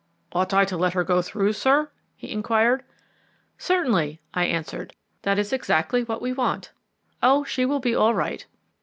"Ought I to let her go through, sir?" he inquired. "Certainly," I answered. "That is exactly what we want. Oh, she will be all right."